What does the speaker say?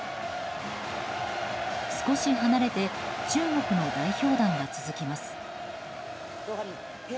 少し離れて中国の代表団が続きます。